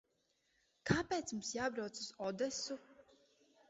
Kāpēc mums jābrauc uz Odesu?